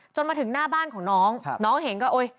มาถึงหน้าบ้านของน้องน้องเห็นก็โอ๊ย